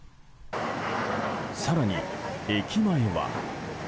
更に駅前は。